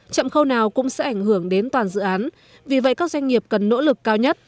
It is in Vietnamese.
chậm khâu nào cũng sẽ ảnh hưởng đến toàn dự án vì vậy các doanh nghiệp cần nỗ lực cao nhất